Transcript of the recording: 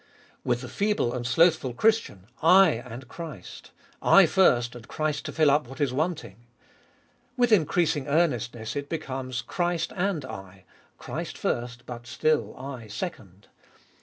With the feeble and slothful Christian, I and Christ :/ first, and Christ to fill up what is wanting. With increasing earnestness it becomes, Christ and I : Christ first, but still I second.